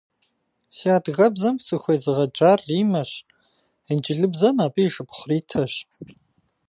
Сэ адыгэбзэм сыхуезыгъэджар Риммэщ, инджылыбзэм - абы и шыпхъу Ритэщ.